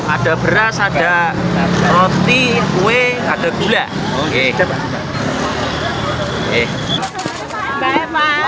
ada beras ada roti kue ada gula oke coba